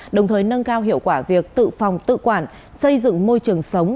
đồng thời nâng cao hiệu quả việc tự phòng tự quản xây dựng môi trường sống